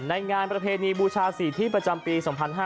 ในงานประเพณีบูชาศรีที่ประจำปี๒๕๖๒